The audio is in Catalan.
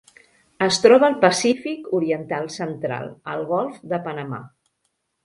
Es troba al Pacífic oriental central: el golf de Panamà.